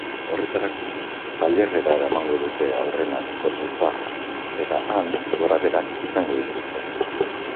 Horretarako, tailerrera eramango dute aurrena kotxe zaharra eta han gorabeherak izango dituzte.